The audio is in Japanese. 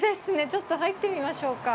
ちょっと入ってみましょうか。